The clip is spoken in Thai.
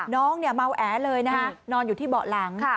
น้องเนี่ยเมาแอเลยนะคะนอนอยู่ที่เบาะหลัง